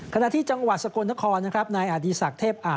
ขณะที่จังหวัดสกลทครนายอาดีศักดิ์เทพอ่า